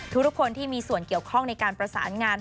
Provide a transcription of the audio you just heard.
ทุกคนที่มีส่วนเกี่ยวข้องในการประสานงาน